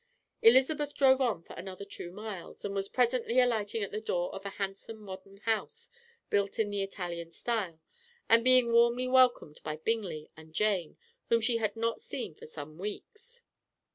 Elizabeth drove on for another two miles, and was presently alighting at the door of a handsome modern house built in the Italian style, and being warmly welcomed by Bingley and Jane, whom she had not seen for some weeks.